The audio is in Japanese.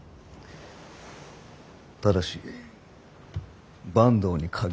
ただし坂東に限る。